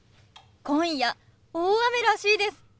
今夜大雨らしいです。